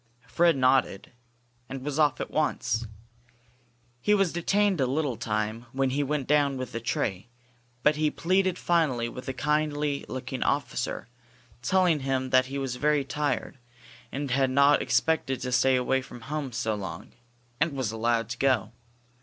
Fred nodded, and was off at once. He was detained a little time when he went down with the tray, but he pleaded finally with a kindly looking officer, telling him that he was very tired, and had not expected to stay away from home so long, and was allowed to go.